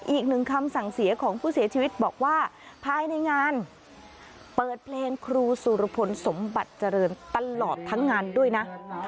อีกหนึ่งคำสั่งเสียของผู้เสียชีวิตบอกว่าภายในงานเปิดเพลงครูสุรพลสมบัติเจริญตลอดทั้งงานด้วยนะ